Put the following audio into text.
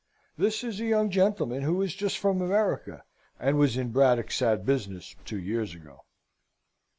This is a young gentleman who is just from America, and was in Braddock's sad business two years ago."